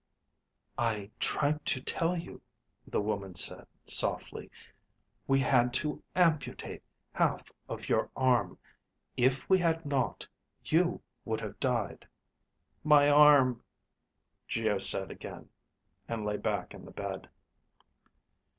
"I tried to tell you," the woman said, softly. "We had to amputate half of your arm. If we had not, you would have died." "My arm," Geo said again, and lay back in the bed.